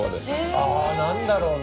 ああ何だろうな。